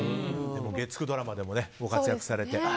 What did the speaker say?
月９ドラマでもご活躍されて。